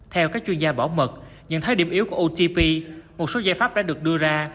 theo các chuyên gia bảo mật nhận thấy điểm yếu của otp một số giải pháp đã được đưa ra